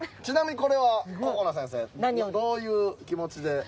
ちなみにこれはここな先生どういう気持ちで？